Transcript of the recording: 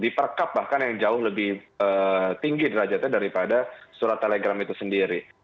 di perkap bahkan yang jauh lebih tinggi derajatnya daripada surat telegram itu sendiri